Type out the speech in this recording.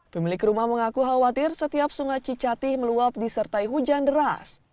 pemilik rumah mengaku khawatir setiap sungai cicatih meluap disertai hujan deras